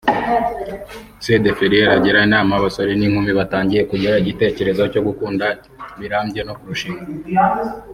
C de Ferrières agira inama abasore n’inkumi batangiye kugira igitekerezo cyo gukunda birambye no kurushinga